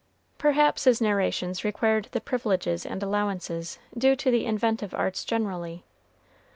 Perhaps his narrations required the privileges and allowances due to the inventive arts generally.